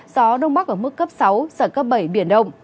gió đông bắc ở mức cấp sáu sẵn cấp bảy biển đông